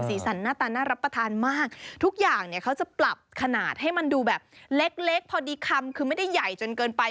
สันหน้าตาน่ารับประทานมากทุกอย่างเนี่ยเขาจะปรับขนาดให้มันดูแบบเล็กเล็กพอดีคำคือไม่ได้ใหญ่จนเกินไป